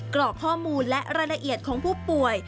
กรอกข้อมูลและรายละเอียดของผู้ป่วย